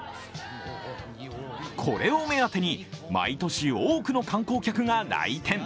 これを目当てに毎年多くの観光客が来店。